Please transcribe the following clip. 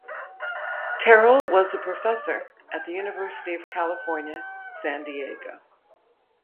Terrell was a professor at the University of California, San Diego.